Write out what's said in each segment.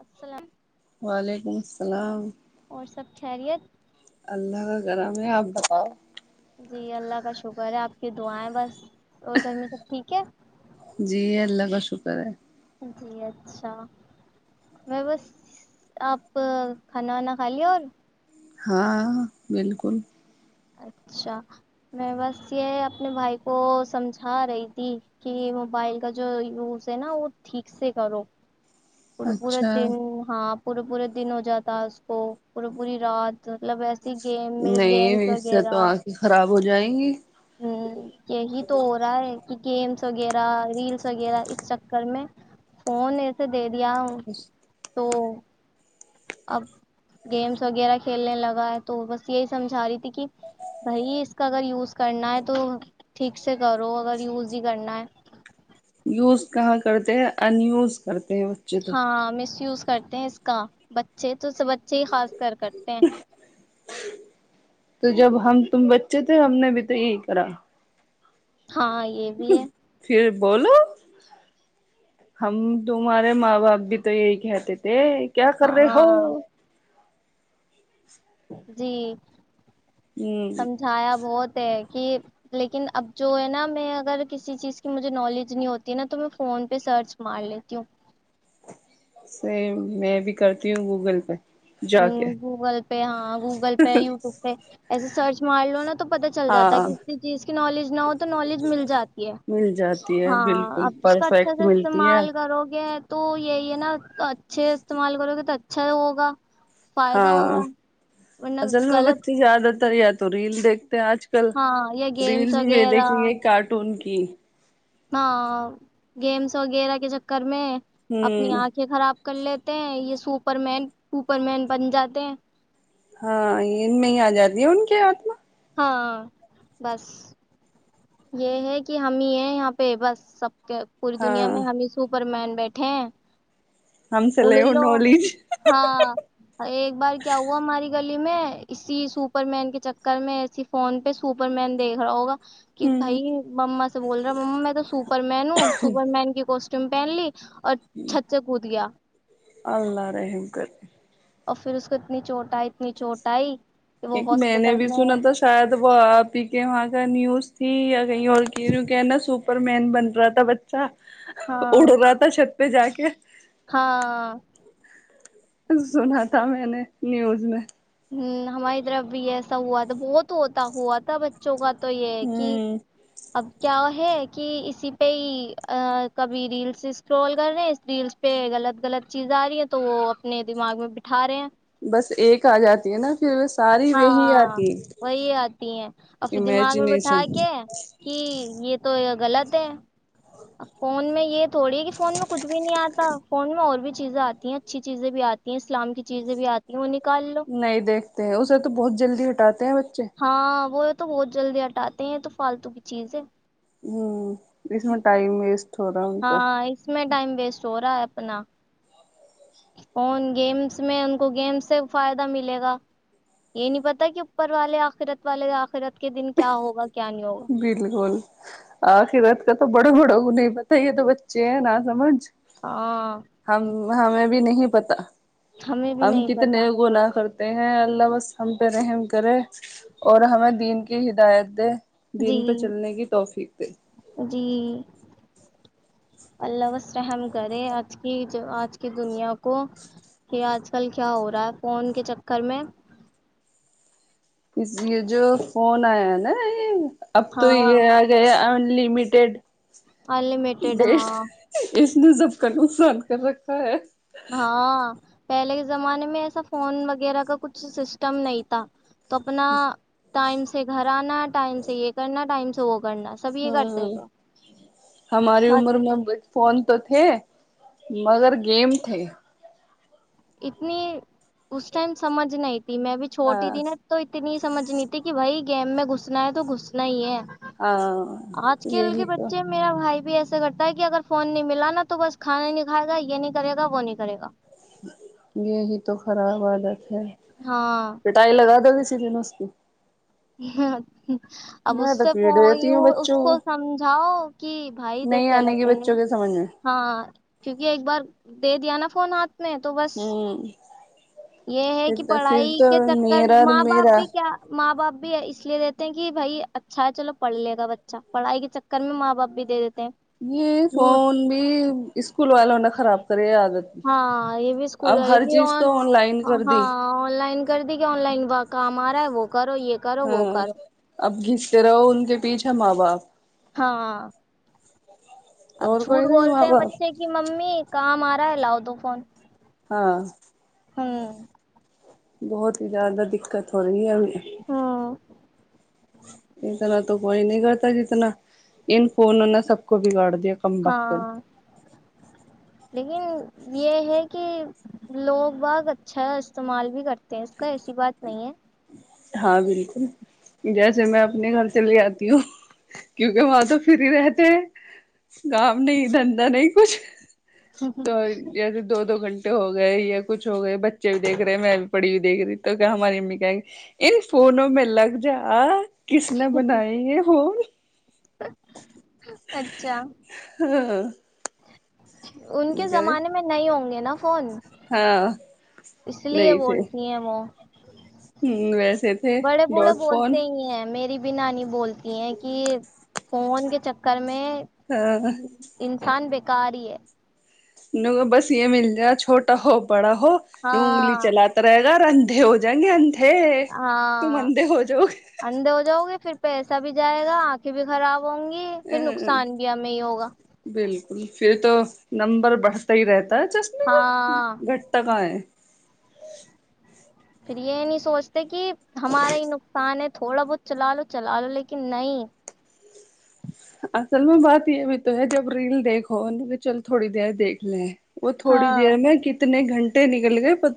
السلام وعلیکم السلام اور سب خیریت اللہ کا کرام ہے آپ بتاؤ جی اللہ کا شکر ہے آپ کی دعائیں بس اور گھر میں سب ٹھیک ہے جی اللہ کا سو کرے جی اچھا میں بس آپ کھانا وانا کھا ل اور ہاں بالکل اچھا میں بس یہ اپنے بھائی کو سمجھا رہی تھی کہ موبائل کا جو یوز ہے نا وہ ٹھیک سے کرو پے پورا اچھا دن ہاں پورے پورے دن ہو جاتا ہے اس کو پوری پوری رات مطلب ایسی گیم گیمس نہیں اس سے وغیرہ تو آنکھیں خراب ہو جائیں گی ہوں یہی تو ہو رہا ہے کہ گیمس وغیرہ ریلس وغیرہ اس چکر میں فون ایسے دے ؤ تو اب گیمس وغیرہ کھیلنے لگا ہے تو بس یہی سمجھا رہی تھی کہ بھائی اس کا اگر یوز کرنا ہے تو ٹھیک سے کرو اگر یوز ہی کرنا ہے یوز کہاں کرتے ہیں ان یوز کرتے ہیں بچے تو ہاں مس یوز کرتے ہیں اس کا بچے تو سب بچے ہی خاص کر کرتے ہیں تو جب ہم تم بچے تھے ہم نے بھی تو یہی کرا ہاں یہ بھی ہے پھر بولو ہم تمہارے ماں باپ بھی تو یہی کہتے تھے کیا کر رہے ہو ہاں جی ہ سمجھایا بہت کہ لیکن اب جو ہے نا میں اگر کسی چیز کی مجھے نالج نہیں ہوتی ہے نا تو میں فون پہ سرچ مار لیتی ہوں سیم میں بھی کرتی ہوں گوگل پہ ہ جا کے گوگل پہ ہاں گوگل پہ یوٹیوب پہ ایسے سرچ مار لو نا تو پتا چل جاتا ہے ہاں کسی چیز کا نالج نہ ہو تو نالج مل جاتی ہے مل جاتی ہے ہاں بالکل اب اس کا اچھا پرفیکٹ سے ملتی ہے استعمال کرو گے تو یہی ہے نا اچھے استعمال کرو گے تو اچھا ہوگا فائدہ ہاں ہوگا ورنہ اصل میں غلط بچی زیادہ تر یا تو ریل دیکھ آج کل ہاں یہ ریل گیمس بھی بھی دیکھ رہیے کارٹون تین ہاں گیمس وغیرہ کے چکر میں اپنی ہوں آنکھیں خراب کر لیتے ہیں یہ سوپر مین سپر مین بن جاتے ہیں ہاں ان میں ہی آ جاتی ہے ان کے آتما ہاں بس یہ ہے کہ ہم ہی ہے یہاں پہ بس سب پوری دنیا ہاں میں ہمیں سپر مین بیٹھے ہم سے اڑ لے وہ لو نالج ہاں ایک بار کیا ہوا ہماری گھر دلی میں اسی سپر مین کے چکر میں اسی فون پہ سپر مین دیکھ رہا ہوگا کہ ہوں بھائی مما سے بول رہا مما میں تو سپر مین ہوں سپر مین کی کو چمپی آین لی اور چھت سے کود گیا ہ اللہ رحم کرے اور پھر اس کو اتنی چوٹ آئی اتنی چوٹ آئی کہ وہ ایک میں نے ہاسپٹل بھی سنا تھا شاید وہ آپ ہی کے وہاں کا نیوز ٹھیک ہے کہیں اور کہ نا سپر مین بن رہا تھا بچہ اڑ ہاں رہا تھا چھت پہ جا کے ایک [unintelligible] ہاں سنا تھا میں نے نیوز میں ہماری طرف بھی ایسا ہوا تھا بہت ہوتا ہوا تھا بچوں کا تو یہ ہے کہ ہوں اب کیا ہو ہے کہ اسی پہ ہی کبھی ریلس اسکرول کر رہے ہیں اس ریلس پہ غلط غلط چیز آ رہی ہیں تو وہ اپنے دماغ میں بٹھا رہے ہیں بس ایک آ جاتی ہے نا پھر ساری وہی ہاں آتی ہے وہی آتی ہیں اور پھر دماغ میں بٹھا امیجنیشن کے کہ یہ تو غلط ہے فون میں یہ تھوڑی ہے کہ فون میں کچھ بھی نہیں آتا فون میں اور بھی چیزیں آتی ہیں اچھی چیزیں بھی آتی ہیں اسلام کی چیزیں بھی آتی ہیں انہیں نہیں دیکھتے ہیں اسے تو بہت جلدی ہٹاتے ہیں بچے ہاں وہ تو بہت جلدی ہٹاتے ہیں یہ تو فالتو کی چیز ہے ہوں اس میں ٹائم ویٹ ہاں اس میں ٹائم ویسٹ ہو رہا ہے اپنا فون گیمس میں ان کو گیمس سے فائدہ ملے گا یہ نہیں پتا کہ اوپر والے آخرت والے آخرت کے دن کیا ہوگا کیا نہیں ہوگا بالکل آخرت کا تو بڑو بڑوں تو نہیں پتا ہی ہے تو بچے ہیں نہ سمج ہاں ہم ہمیں بھی نہیں پتا ہمیں بھی تو ہم نہیں پتا کتنے گنا کرتے ہیں اللہ وس ہم پہ رحم کرے اور ہمیں دین کی ہدایت دے جی دن پہ چلنے کی توحفیق تھ جی اللہ وسم کرے آج کی جو آج کی دنیا کو کہ آج کل کیا ہو رہا ہے فون کے چکر میں اس لیے جو فون آیا نا یہ اب تو یہ آ گیا لمیٹیڈ انلیمیٹیڈ ہاں اپ ضبک نسند کر رکھتا ہے ہاں پہلے کے زمانے میں ایسا فون وغیرہ کا کچھ سسٹم نہیں تھا تو اپنا ٹائم سے گھر آنا ٹائم سے یہ کرنا ٹائم سے سو ہ ہماری عمر میں فن تو تھے مگر گیم تھے اتنی اس ٹائم سمجھ نہیں ا ت میں بھی چھوٹی ہاں تھی نا تو اتنی سمجھنی تھی کہ بھائی گیم میں گھسنا ہے تو گھسنا ہی ہے ہاں آج کل کے یہی تو بچے میرا بھائی بھی ایسا سے کرتا ہے کہ اگر فون نہیں ملا نا تو بس کھا نہیں کھائے گا یہ نہیں کرےا وہ نہیں کرے گا یہی تو خراب والدا اچ ہاں پٹائی لگا دو ک دن اس کی ہاں اب اس میں تو سے پیٹ دیتی ہوں اس بچوں کو سمجھاؤ کہ بھائی نہیں دیکھ آنے غلط کی ہے بچوں کے سمجھ میں ہاں کیونکہ ایک بار دے دیا نا فون آاتھ میں تو بس ہوں یہ ہے کہ پھر پڑھائی تو کے چکر میرا ماں باپ میرا بھی کیا ماں باپ بھی اس لیے دیتے ہیں کہ بھائی اچھا ہے چلو پڑھ لے گا بچہ پڑھائی کے چکر میں ماں باپ بھی دے دیتے ہیں یہ جھوٹ فون بھی اسکول والو نے خراب کرے آگے ہاں یہ بھی اسکول وال کی تو ہاں آن لائن کر دی آن لائن کر دی کہ آن لائن واق کام آارا ہے وہ کرو یہ کرو وہ ہاں کرو اب گھستے رہو ان کے پیچھے ماں باپ ہاں اب اور جھوٹ کوئی نہیں بولتے ماں ہیں باپ بچے کی ممی کام آ ل ہو تو فون ہاں ہوں بہت ہی زیادہ دقت ہو رہی ہے ہمیں ہاں اتنا تو کوئی نہیں کرتا جتنا ان فونوں نے سب کو بگاڑ د کم بخت ہاں لیکن یہ ہے کہ لوگ بہت اچھا استعمال بھی کرتے ہیں اس کا ایسی بات نہیں ہے ہاں بالکل جیسے میں اپنے گھر چلے آتی ہوں کیونکہ وہاں تو فری رہتے ہیں کام نہیں دھندا نہیں کچھ تو جیسے دو دو گھنٹے ہو گئے یا کچھ ہو گئے بچے بھی دیکھ رہے میں بھی پڑھی ہوئی دیکھ رہی تو کیا ہماری امی کہ گ ان فونوں میں لگ جا کس نے بنائی ہیں فون اچھا ہ [inaudible] انکے زمانے میں نہیں ہوں گے نا فون ہاں اس لیے نہیں تھے بولتی ہیں وہ ہ ویسے تھے بڑے بوڑے ڈاٹ فون بولتے ہی ہیں میری بی نانی بولتی ہیں کہ فون کے چکر میں ہاں میں انسان ب کاری ہے ان کو بس یہ مل جائے چھوٹا ہو بڑا ہو نو انگی ہاں چلا تے راہو گھر آنھے ہو جاے گے آنھے ہے تم ہاں انھے ہو جاؤ اندھے ہو جاؤ گے پھر پیسہ بھی جائے گا آنکھیں بھی خراب ہوں گی ا پھر نقصان بھی ہمیں ہی ہوگا بالکل پھر تو نمبر بڑھتا ہی رہتا چشمے کا ہاں گھٹٹ کا ہے پھر یہ نہیں سوچتا کہ ہمارا یہ نقصان ہے تو تھوڑا بہت چلا لو چلا لو لیکن نہیں اصل میں بات یہ بھی تو ہے جب ریل دیکھو چل تھوڑی دیر دیکھ لیں وہ تھوڑی ہاں دیر میں نے گنٹے نکل گئے پت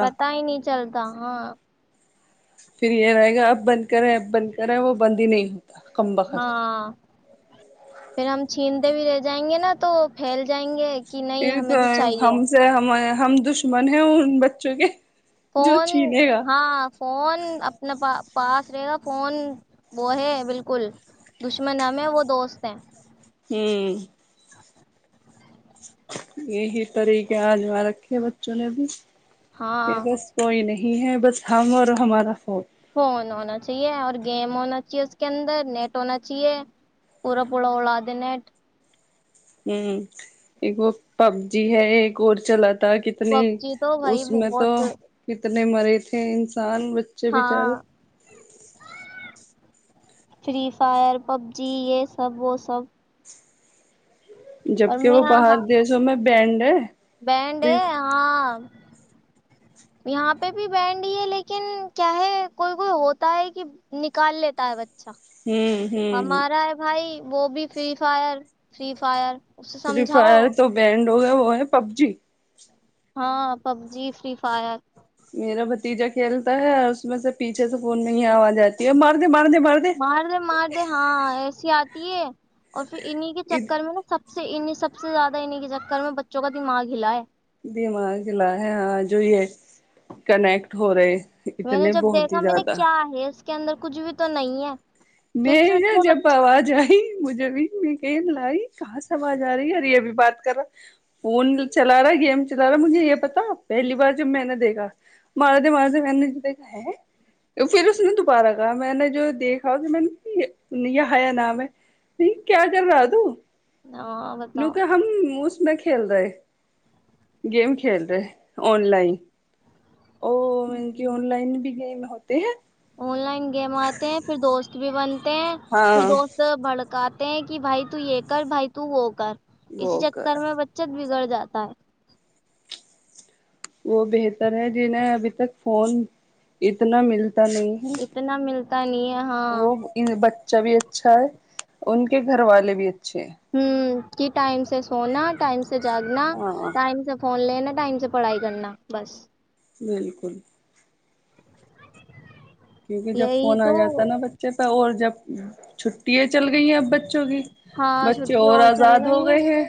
پتا ہی نہیں چلتا ہاں پھر یہ رہے گا اب بند کرے اب بند کرے وہ بند ہی نہیں ہو ہاں پھر ہم چھین بھی رہ جائیں گے نا تو پھیل جائیں گے کہ نہیں پھر ہمیں تو چاہیے ہم سے ہم ہم دشمن ہیں ان بچوں کے جو فون چھینے گا ہاں فون اپنا پا پاس رہے گا فون وہ ہے بالکل دشمن ہم ہے وہ دوست ہیں ہوں یہی طریقہ آجما رکھے بچوں نے بھی پ ہاں بس کوئی نہیں ہی ہیں بس ہم اور ہمارا فوج فون ہونا چاہیے اور گیم ہونا چاہیے اس کے اندر نیٹ ہونا چاہیے پورا پورا اڑا دے نیٹ ہوں ایک وہ پب جی ہے ایک اور چلات کتنی پب جی تو اس بھائی میں تو بہت کتنی نے مرے تھے ان کسان بچے ہاں بچارے فری فائر پبجی یہ سب وہ سب جبک وہ باہر دیسوں میں بینڈ بڈے ہاں یہاں پہ بھی بڈ ہی ہے لیکن کیا ہے کوئی کوئی ہوتا ہے کہ نکال لیتا ہے ب اچھا ہوں ہوں ہمارا ہے بھائی وہ بھی فری فائر فری فائر اسے تھری سمجھاؤ فائر تو بڈ و وہ ہے پب جی ہاں پب جی فری فائر میرا بھتیجا کھیلتا ہے اس میں سے پیھے سے فون نہیں آوا جاتی ہے اور مار دے مار د مار د مار د ہاں ایسی آتی اور [unintelligible] پھر انہیں کے چکر میں نا سب سب سے انہ سب سے زیادہ انہیں کے چکر میں بچوں کا دماغ ہلا ہے دماغ کی ل ہے ہاں جو یہ کنیکٹ ہو رہے میں نے اتنے جب بہت دیکھا ہی میں نے زیادہ کیا ہے کے اندر کچھ بھی تو نہیں ہے پھر میں کیوں ن اتنے بچے جب آواز آئی مجھے بھی میں کہ لائی کہاں سے آواز آ رہی ہے ر یہ بھی بات کر رہا فون چلا رہا گیم چلا رہا ہے مجھے یہ پتا پہلی بار جب میں نے دیکھا مارتے مارتے میں نے جو دیکھا ہے پھر اس نے دوبہارہ کہا میں نے جو دیکھا میں نے یہیا نام ہے نہیں کیا کر رہا تو ہاں بتاؤ نک ہم اس ک میں کھیل رہا ہے گیم کھیل رہا ہے آن لائن ا مط کی آن لائن بھی گیم ہوتے ہیں آن لائن گیم آتے ہیں پھر دوست بھی بن پھر ہاں دوست بھڑکات ہیں کہ بھائی تو یہ کر بھائی تو وہ کر اسی وہ کر چکر میں بچت بگڑ جاتا ہے وہ بہتر ہے جنہیں ابھی تک فون اتنا ملتا پ نہیں ہے اتنا ملتا نہیں ہے ہاں وہ ب ا بھی اچھا ہے ان کے گھر والے بھی اچ چھ ہوں کہ ٹائم سے سونا ٹائم سے جاگنا ہاں ٹائم سب فون لے نا ٹائم سے پڑھائی کرنا بس بالکل [unintelligible] کیونکہ جب یہی فون آ تو جاتا ہے نا بچے پہ اور جب ہوں [inaudible] چھٹیاں چل گئی ہیں اب بچوں کی ہاں بچے چھٹی اور چل آزاد گئی ہو ہے گئے ہیں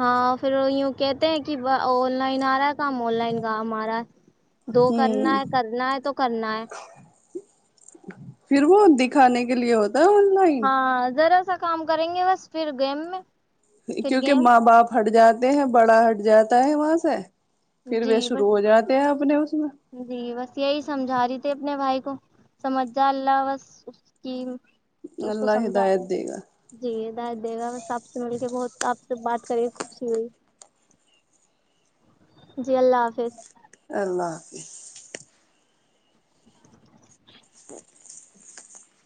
ہاں پھر وہ یوں کہتے ہیں کہ on line uh com on line کا ہمارا دو کرنا ہ ہے کرنا ہے تو کرنا ہے پھر وہ دکھانے کے لیے ہوتا ہے آن لائن ہاں جر ایسا کام کریں گے بس پھر گیم میں پھر کیونکہ گیم ماں باپ ہٹ جاتے ہیں بڑا ہٹ جاتا ت وہااز ہے پھر جی و بس شرو ہو جاات آ ب [inaudible] جی بس یہی سمجھا رہی تھی اپنے بھائی کو کو سمجھ ج اللہ بس اس کی اللہ ہدایت دے گا دا [unintelligible] آپ سے مل کے بہت آپ سے بات کری خوشی ہوئی جی اللہ حافظ اللہ حافظ